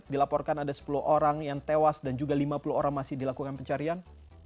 dilaporkan ada sepuluh orang yang tewas dan juga lima puluh orang masih dilakukan pencarian